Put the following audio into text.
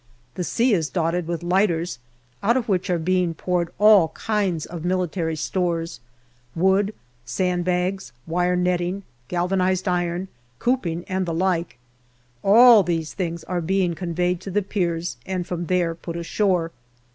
The sea is dotted with lighters, out of which are being poured all kinds of military stores wood, sand bags, wire netting, galvanized iron, cooping, and the like ; all these things are being conveyed to the piers and from there put ashore.